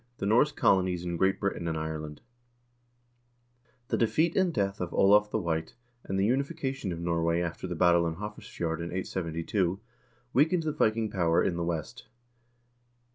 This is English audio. The Norse Colonies in Great Britain and Ireland The defeat and death of Olav the White, and the unification of Norway after the battle in the Hafrsfjord in 872, weakened the Vi king power in the West.